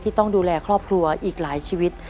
ต้องดูแลครอบครัวอีกหลายชีวิต